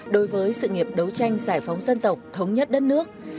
đối với sự nghiệp đấu tranh giải phóng dân tộc thống nhất đất nước